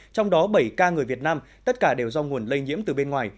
trong đó bảy ca người việt nam tất cả đều do nguồn lây nhiễm từ bên ngoài